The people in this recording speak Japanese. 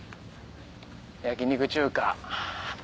「焼肉中華」。